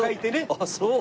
あっそう。